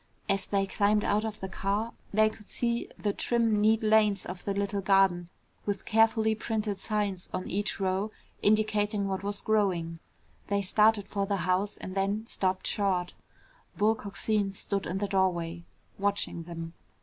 As they climbed out of the car, they could see the trim neat lanes of the little garden with carefully printed signs on each row indicating what was growing. They started for the house and then stopped short. Bull Coxine stood in the doorway, watching them.